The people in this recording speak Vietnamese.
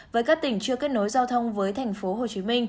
với các tỉnh chưa kết nối giao thông với tp hcm